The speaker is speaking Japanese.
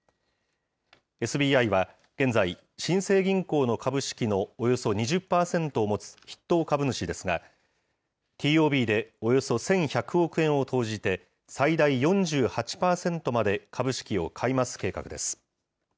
ＳＢＩは現在、新生銀行の株式のおよそ２０％を持つ筆頭株主ですが、ＴＯＢでおよそ１１００億円を投じて、最大４８％まで株式を買い増す計画です。